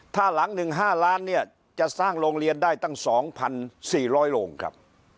ถ้าหลังหนึ่งห้าร้านเนี่ยจะสร้างโรงเรียนได้ตั้งสองพันสี่ร้อยโรงครับ